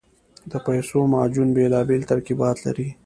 د پیسو معجون بېلابېل ترکیبات لري.